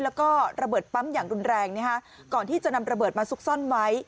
แล้วก็ระเบิดปั๊มอย่างรุนแรงก่อนที่จะนำระเบิดมาซุกซ่อนไว้